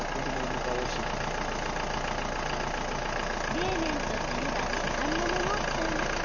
冷麺と、たれは市販のものを使います。